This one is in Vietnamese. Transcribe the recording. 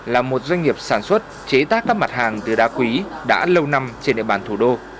là một doanh nghiệp sản xuất chế tác các mặt hàng từ đá quý đã lâu năm trên địa bàn thủ đô